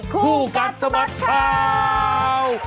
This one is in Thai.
คู่กัดซบัดข้าว